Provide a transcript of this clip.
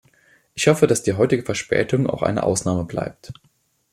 Ich hoffe, dass die heutige Verspätung auch eine Ausnahme bleibt.